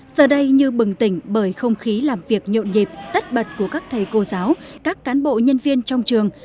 giờ đây như bừng tỉnh bởi không khí làm việc nhộn nhịp tất bật của các thầy cô giáo các cán bộ nhân viên trong trường